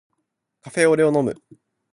カフェオレを飲む